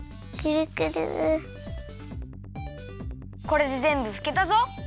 これでぜんぶふけたぞ！